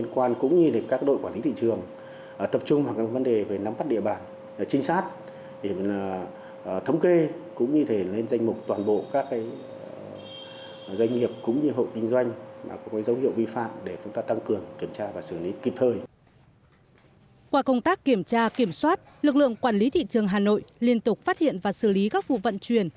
qua công tác kiểm tra kiểm soát lực lượng quản lý thị trường hà nội liên tục phát hiện và xử lý các vụ vận chuyển